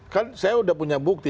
kan saya sudah punya bukti